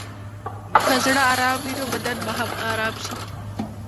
که زړه ارام وي، نو بدن به هم ارام شي.